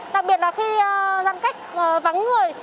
đặc biệt là khi giãn cách vắng người